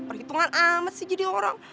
perhitungan amat sih jadi orang